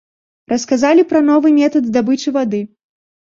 Расказалі пра новы метад здабычы вады.